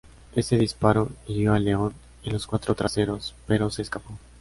Este disparo hirió al león en los cuartos traseros, pero se escapó.